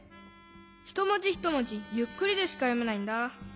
ひともじひともじゆっくりでしかよめないんだ。